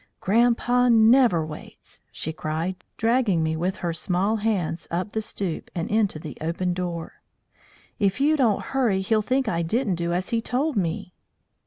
"Grandpa never waits!" she cried, dragging me with her small hands up the stoop and into the open door. "If you don't hurry he'll think I didn't do as he told me."